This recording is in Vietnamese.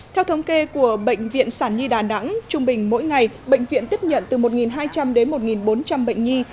theo thống kê của bệnh viện sản nhi đà nẵng trung bình mỗi ngày bệnh viện tiếp nhận từ một hai trăm linh đến một bốn trăm linh bệnh nhi